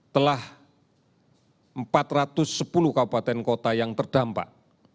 telah empat ratus sepuluh kabupaten kota yang terdampak